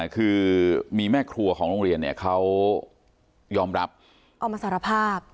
คือมีแม่ครัวของโรงเรียนเนี่ยเขายอมรับออกมาสารภาพ